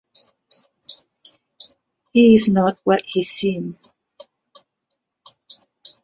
He is not what he seems.